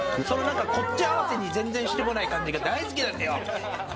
こっち合わせに全然してこない感じが大好きなんですよ。